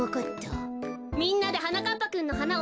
みんなではなかっぱくんのはなをさかせましょう！